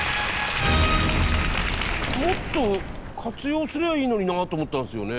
もっと活用すりゃいいのになと思ったんですよね。